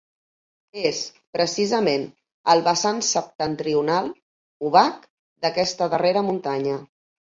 És, precisament, al vessant septentrional, obac, d'aquesta darrera muntanya.